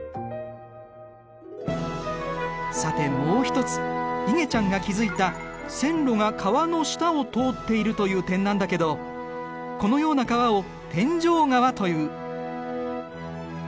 さてもう一ついげちゃんが気付いた線路が川の下を通っているという点なんだけどこのような川を天井川という。